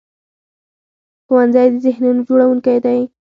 ښوونځی د ذهنونو جوړوونکی دی